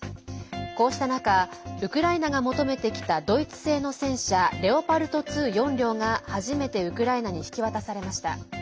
こうした中ウクライナが求めてきたドイツ製の戦車レオパルト２４両が初めて、ウクライナに引き渡されました。